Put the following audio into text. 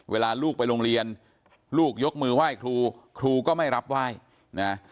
เวลาลูกไปโรงเรียนลูกยกมือไหว้ครูครูก็ไม่รับไหว้นะ